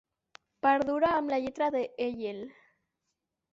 Perdura amb la lletra de Hegel.